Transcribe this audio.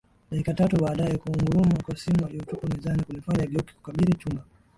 Dakika tatu baadae kuunguruma kwa simu aliyoitupa mezani kulimfanya ageuke kukabiri chumba